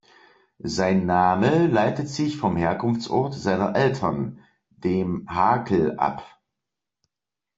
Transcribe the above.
Sein Name leitet sich vom Herkunftsort seiner Eltern, dem Hakel, ab.